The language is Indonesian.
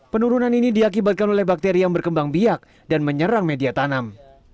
penurunan ini diakibatkan oleh bakteri yang berkembang biak dan menyerang media tanam